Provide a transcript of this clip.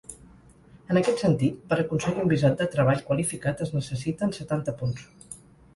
En aquest sentit, per aconseguir un visat de treball qualificat es necessiten setanta punts.